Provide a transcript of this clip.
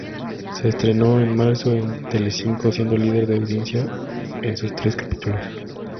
Se estrenó en marzo en Telecinco siendo líder de audiencia en sus tres capítulos.